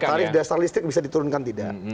tarif dasar listrik bisa diturunkan tidak